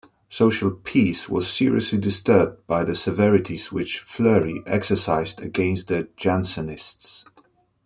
Social peace was seriously disturbed by the severities which Fleury exercised against the Jansenists.